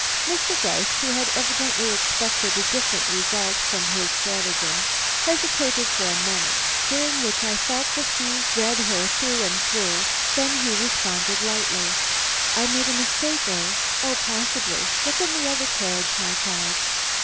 Mr. Gryce, who had evidently expected a different result from his stratagem, hesitated for a moment, during which I felt that he read her through and through; then he responded lightly: "I made a mistake, eh? Oh, possibly. Look in the other carriage, my child."